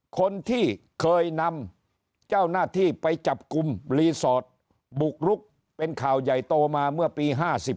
คนที่เคยนำเจ้าหน้าที่ไปจับกลุ่มรีสอร์ทบุกรุกเป็นข่าวใหญ่โตมาเมื่อปี๕๔